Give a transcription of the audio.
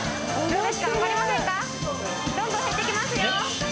どんどん減っていきますよ